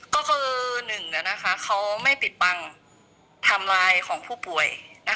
ก็คือ๑เขาไม่ปิดปังทำลายของผู้ป่วย